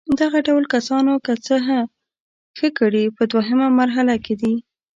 دغه ډول کسانو که څه ښه کړي په دوهمه مرحله کې دي.